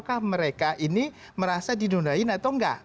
apakah mereka ini merasa didundain atau enggak